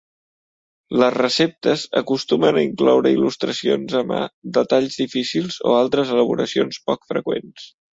Les receptes acostumen a incloure il·lustracions a mà de talls difícils o altres elaboracions poc freqüents.